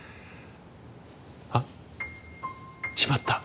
あっしまった。